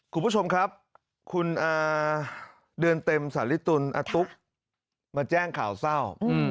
คุณผู้ชมครับคุณเดือนเต็มสาริตุลอตุ๊กมาแจ้งข่าวเศร้า